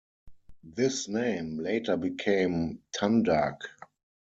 This name later became Tandag.